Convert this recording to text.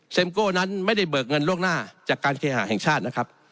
โก้นั้นไม่ได้เบิกเงินล่วงหน้าจากการเคหาแห่งชาตินะครับ